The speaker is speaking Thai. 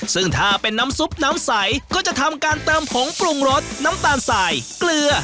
ซึ่งถ้าเป็นน้ำซุปน้ำใสก็จะทำการเติมผงปรุงรสน้ำตาลสายเกลือ